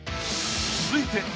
［続いて］